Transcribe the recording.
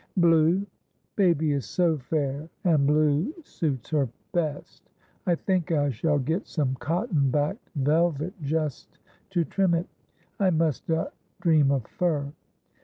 "Blue, baby is so fair, and blue suits her best; I think I shall get some cotton backed velvet just to trim it; I must not dream of fur."